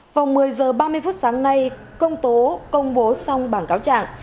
vòng một mươi h ba mươi phút sáng nay công tố công bố xong bảng cáo trạng